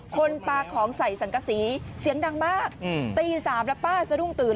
คนปลาของใส่สังกษีเสียงดังมากตี๓แล้วป้าสะดุ้งตื่น